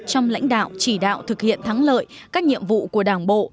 trong lãnh đạo chỉ đạo thực hiện thắng lợi các nhiệm vụ của đảng bộ